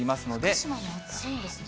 福島も暑いんですね。